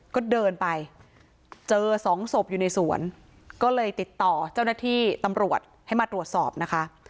ก็เดินไปเจอสองศพอยู่ในสวนก็เลยติดต่อเจ้าหน้าที่ตำรวจให้มาตรวจสอบนะคะ